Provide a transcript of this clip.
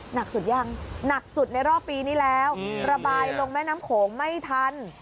หนักสุดยังหนักสุดในรอบปีนี้แล้วระบายลงแม่น้ำโขงไม่ทัน